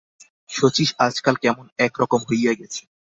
শচীশ আজকাল কেমন-এক-রকম হইয়া গেছে।